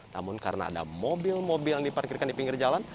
namun karena ada mobil mobil yang diparkirkan di pinggir jalan